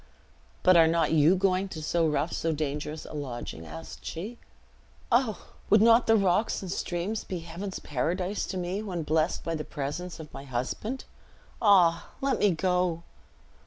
"But are not you going to so rough, so dangerous a lodging?" asked she. "O! would not rocks and streams be Heaven's paradise to me, when blessed by the presence of my husband? Ah! let me go!"